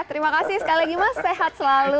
terima kasih sekali lagi mas sehat selalu